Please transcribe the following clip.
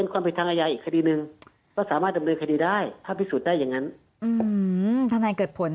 คุณยักษ์ย้ายถ่ายโอนศพสินตั้งแต่